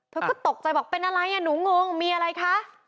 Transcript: เธอก็ตกใจบอกเป็นอะไรอ่ะหนูงงมีอะไรคะ